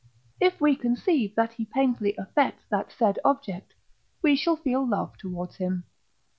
If we conceive that he painfully affects that said object, we shall feel love towards him.